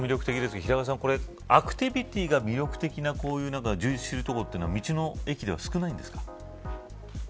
アクティビティーが魅力的な充実している所というのは道の駅では少ないんですか。